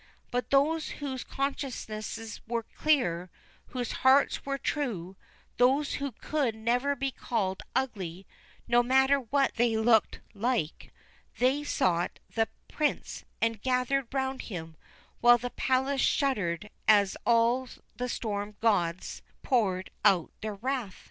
But those whose consciences were clear, whose hearts were true those who could never be called ugly, no matter what they looked like they sought the Prince and gathered round him, while the palace shuddered as all the storm gods poured out their wrath.